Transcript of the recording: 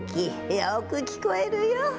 よく聞こえるよ。